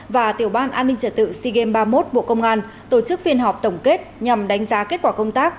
và tiểu ban an ninh trả tự sigem ba mươi một bộ công an tổ chức phiên họp tổng kết nhằm đánh giá kết quả công tác